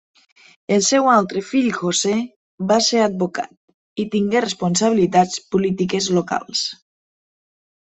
El seu altre fill José va ser advocat i tingué responsabilitats polítiques locals.